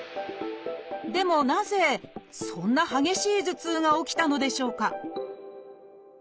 でもなぜそんな激しい頭痛が起きたのでしょうか？